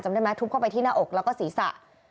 ได้ไหมทุบเข้าไปที่หน้าอกแล้วก็ศีรษะ